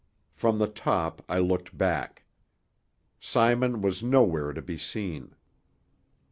From the top I looked back. Simon was nowhere to be seen.